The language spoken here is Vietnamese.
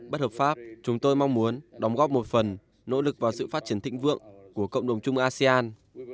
bất hợp pháp chúng tôi mong muốn đóng góp một phần nỗ lực vào sự phát triển thịnh vượng của cộng đồng chung asean